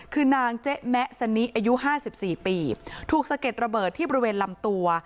คือนางเจ๊แมะสนิอายุห้าสิบสี่ปีถูกสะเก็ดระเบิดที่บริเวณลำตัว